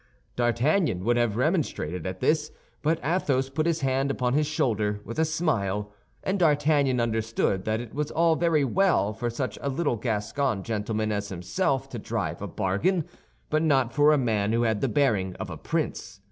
D'Artagnan would have remonstrated at this; but Athos put his hand upon his shoulder, with a smile, and D'Artagnan understood that it was all very well for such a little Gascon gentleman as himself to drive a bargain, but not for a man who had the bearing of a prince.